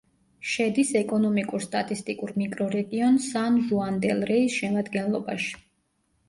შედის ეკონომიკურ-სტატისტიკურ მიკრორეგიონ სან-ჟუან-დელ-რეის შემადგენლობაში.